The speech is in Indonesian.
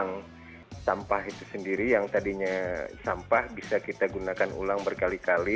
yang kedua adalah mengguna ulang sampah itu sendiri yang tadinya sampah bisa kita gunakan ulang berkali kali